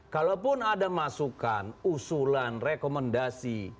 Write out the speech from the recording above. kalaupun ada masukan usulan rekomendasi